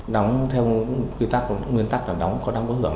đóng theo quy tắc nguyên tắc là đóng có hưởng